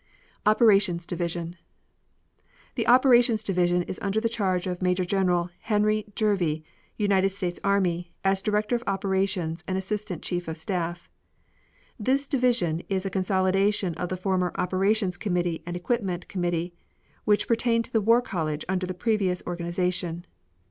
OPERATIONS DIVISION The Operations Division is under the charge of Major General Henry Jervey, United States army, as Director of Operations and Assistant Chief of Staff. This division is a consolidation of the former Operations Committee and Equipment Committee, which pertained to the War College under the previous organization.